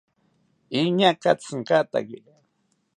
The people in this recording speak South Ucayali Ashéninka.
Iñaa katsinkataki